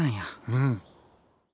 うん。